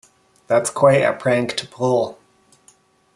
That's quite a prank to pull.